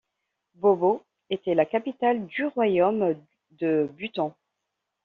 Bau-Bau était la capitale du royaume de Buton.